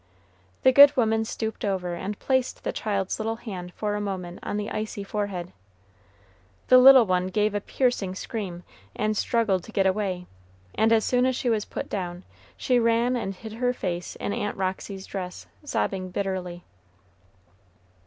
The good woman stooped over and placed the child's little hand for a moment on the icy forehead. The little one gave a piercing scream, and struggled to get away; and as soon as she was put down, she ran and hid her face in Aunt Roxy's dress, sobbing bitterly.